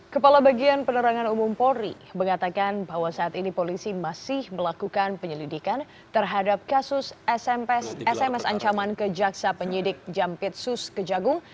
kepala bagian penerangan umum polri mengatakan bahwa saat ini polisi masih melakukan penyelidikan terhadap kasus sms ancaman ke jaksa penyidik jampitsus kejagung